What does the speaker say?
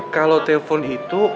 kalau telepon itu